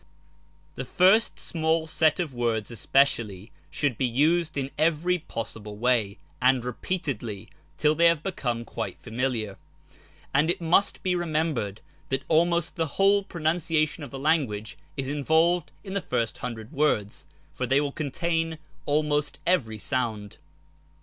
The first small set of words especially should be used in every possible way, and repeatedly, till they have become quite familiar; and it must be remembered that almost the whole pronunciation of the language is involved in the first hundred words, for they will contain almost every sound.